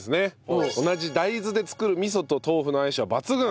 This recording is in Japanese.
同じ大豆で作る味噌と豆腐の相性は抜群！